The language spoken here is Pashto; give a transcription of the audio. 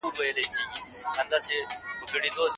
موسیقي مو له رواني فشار څخه خلاصوي.